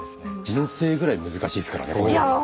人生ぐらい難しいですからねこのゲーム。